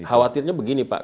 khawatirnya begini pak